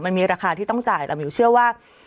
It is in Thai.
มันมีราคาที่ต้องจ่ายแต่มิวเชื่อว่า